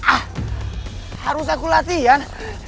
ah harus aku latihan